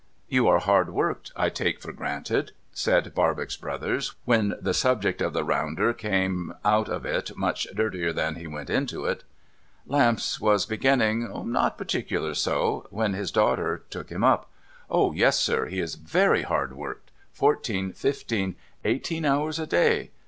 ' You are hard worked, I take for granted ?' said Barbox Brothers, when the subject of the rounder came out of it much dirtier than he went into it. Lamps was beginning, * Not particular so '— when his daughter took him up. ' Oh yes, sir, he is very hard worked. Fourteen, fifteen, eighteen hours a day.